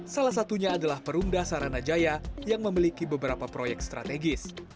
salah satunya adalah perumda saranajaya yang memiliki beberapa proyek strategis